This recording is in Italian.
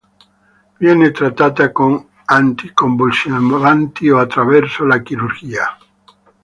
Viene trattata con anticonvulsivanti o attraverso la chirurgia.